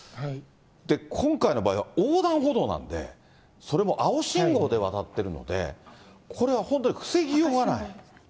今回の場合は横断歩道なんで、それも青信号で渡ってるので、これは本当に防ぎようがない。